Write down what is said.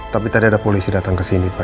tapi tadi ada polisi datang kesini pak